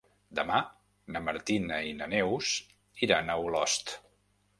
Demà na Martina i na Neus iran a Olost.